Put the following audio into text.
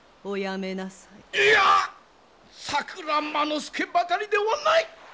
いや桜間ノ介ばかりではない！